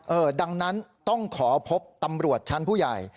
ดังนั้นต้องขอพบตำรวจชั้นผู้ใหญ่